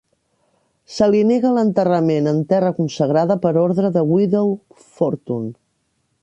Se li nega l'enterrament en terra consagrada per ordre de Widow Fortune.